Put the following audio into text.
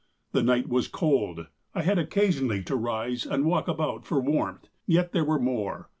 The night was cold — 1 had occasionally to rise, and walk about for warmth — yet there were more.